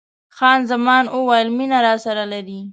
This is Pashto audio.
خان زمان وویل: مینه راسره لرې؟